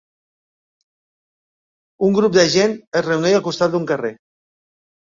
Una grup de gent es reuneix al costat d'un carrer.